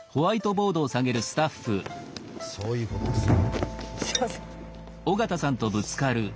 そういうことですよ。